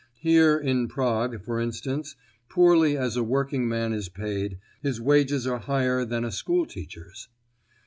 Here, in Prague, for instance, poorly as a working man is paid, his wages are higher than a school teacher's.